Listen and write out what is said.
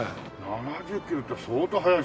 ７０キロって相当速いですね。